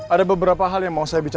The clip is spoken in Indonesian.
ada beberapa hal yang mau saya bicara